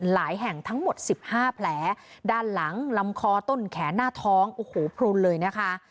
แห่งทั้งหมด๑๕แผลด้านหลังลำคอต้นแขนหน้าท้องโอ้โหพลุนเลยนะคะ